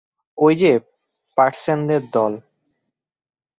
ওই যে পার্সেনদের দল।